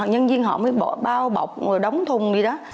nhân viên họ mới bao bọc đóng thùng đi đó